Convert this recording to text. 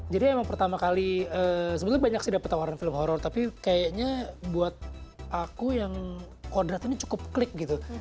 jadi emang pertama kali sebetulnya banyak sih dapet tawaran film horror tapi kayaknya buat aku yang kodrat ini cukup klik gitu